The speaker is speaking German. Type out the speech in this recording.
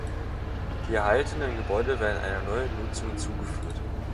Die erhaltenen Gebäude werden einer neuen Nutzung zugeführt.